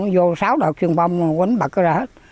vô sáu đợt trường phong mà quân bật ra hết